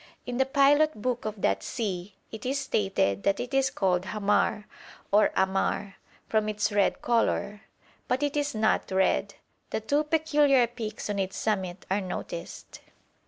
In the pilot book of that sea, it is stated that it is called Hamar, or Ahmar, from its red colour; but it is not red. The two peculiar peaks on its summit are noticed.